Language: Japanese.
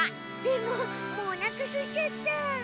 でももうおなかすいちゃった。